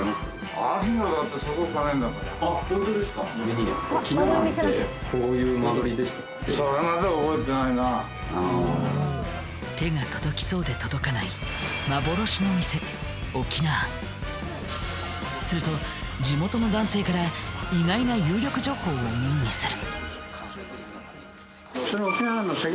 翁庵って手が届きそうで届かない幻の店すると地元の男性から意外な有力情報を耳にする。